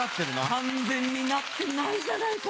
完全になってないじゃないか。